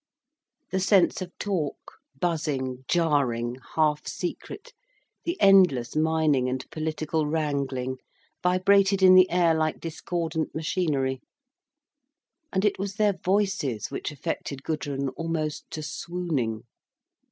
The sense of talk, buzzing, jarring, half secret, the endless mining and political wrangling, vibrated in the air like discordant machinery. And it was their voices which affected Gudrun almost to swooning.